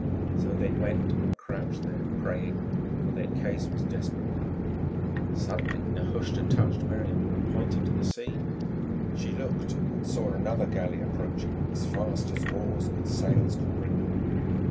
So they went and crouched there, praying, for their case was desperate. Suddenly Nehushta touched Miriam and pointed to the sea. She looked and saw another galley approaching fast as oars and sails could bring her.